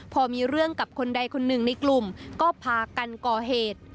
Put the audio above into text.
พอมีเรื่องกับคนใดคนหนึ่งในกลุ่มก็พากันก่อเหตุ